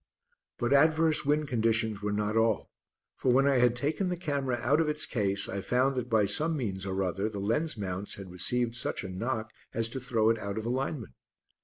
But adverse wind conditions were not all, for when I had taken the camera out of its case I found that by some means or other the lens mounts had received such a knock as to throw it out of alignment.